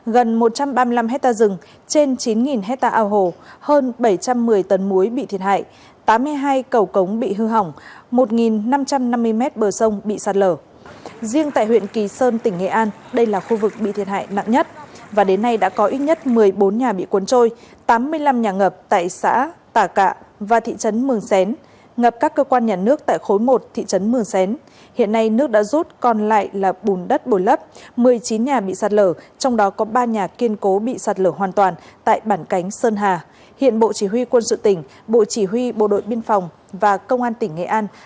gần một trăm ba mươi năm hecta rừng trên chín hecta ao hồ hơn bảy trăm một mươi tấn muối bị thiệt hại tám mươi hai cầu cống bị hư hỏng